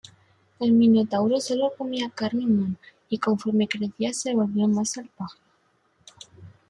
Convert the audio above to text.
El Minotauro solo comía carne humana, y conforme crecía se volvía más salvaje.